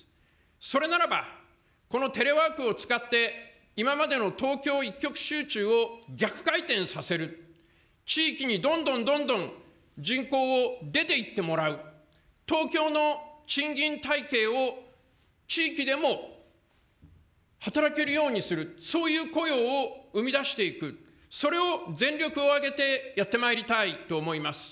それならば、このテレワークを使って、今までの東京一極集中を逆回転させる、地域にどんどんどんどん人口を出て行ってもらう、東京の賃金体系を地域でも働けるようにする、そういう雇用を生みだしていく、それを全力を挙げてやってまいりたいと思います。